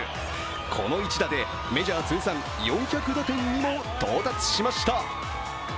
この一打でメジャー通算４００打点にも到達しました。